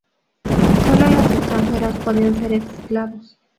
Sólo los extranjeros podían ser esclavos.